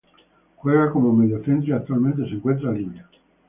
Juega como mediocentro y actualmente se encuentra libre.